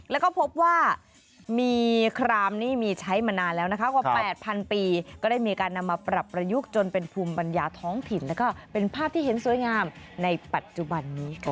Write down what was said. แล้วก็พบว่ามีครามนี้มีใช้มานานแล้วนะคะกว่า๘๐๐ปีก็ได้มีการนำมาปรับประยุกต์จนเป็นภูมิปัญญาท้องถิ่นแล้วก็เป็นภาพที่เห็นสวยงามในปัจจุบันนี้ค่ะ